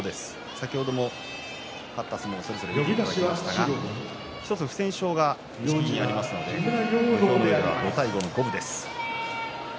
先ほど勝った相撲をそれぞれ見ていただきましたが１つ不戦勝が錦木がありますので土俵の上では５対５の五分です。